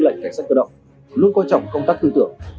cảnh sát cơ động luôn coi trọng công tác tư tưởng